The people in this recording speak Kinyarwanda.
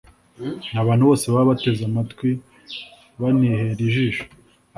Ni abantu bose baba bateze amatwi banihera ijisho